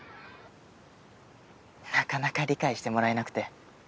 なかなか理解してもらえなくて。